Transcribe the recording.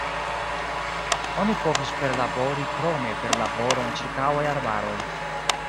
Oni povis perlabori krome per laboro en ĉirkaŭaj arbaroj.